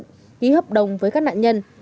ghi hợp đồng với các nạn nhân